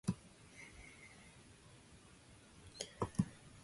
It has borrowed some vocabulary from Gujarati.